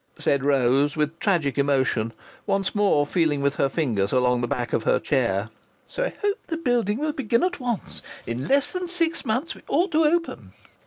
said Rose, with tragic emotion, once more feeling with her fingers along the back of her chair. "So I hope the building will begin at once. In less than six months we ought to open."